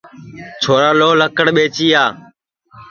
چھورا لھو لکڑ ٻئجیا